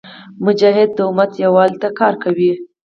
مجاهد د امت یووالي ته کار کوي.